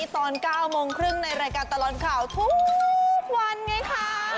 ตอน๙โมงครึ่งในรายการตลอดข่าวทุกวันไงคะ